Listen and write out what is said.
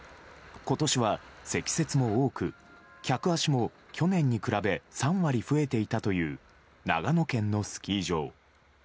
今年は積雪も多く、客足も去年に比べ３割増えていたという長野県のスキー場。